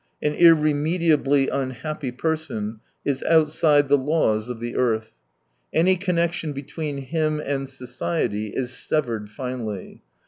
An irremediably unhappy person is outside the laws of the earth. Any connection between him and society is severed finally.